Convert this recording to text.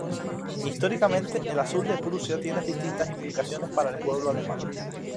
Históricamente, el azul de Prusia tiene distintas implicaciones para el pueblo alemán.